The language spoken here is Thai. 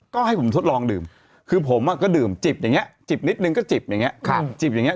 ก็ให้ผมทดลองดื่มคือผมก็ดื่มจิบอย่างนี้จิบนิดนึงก็จิบอย่างนี้จิบอย่างนี้